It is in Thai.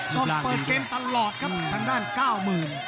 ต้องเปิดเกมตลอดครับทางด้าน๙๐